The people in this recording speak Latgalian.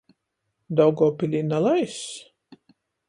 Daugovpilī nalaiss?